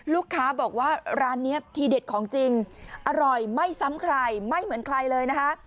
ลูกค้าบอกว่าร้านนี้ทีเด็ดของจริงอร่อยไม่ซ้ำใครไม่เหมือนใครเลยนะคะ